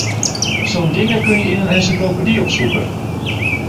Zo'n dingen kun je in een encyclopedie opzoeken.